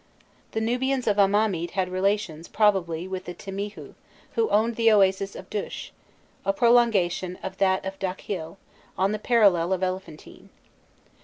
The Nubians of Amamît had relations, probably, with the Timihû, who owned the Oasis of Dush a prolongation of that of Dakhel, on the parallel of Elephantine.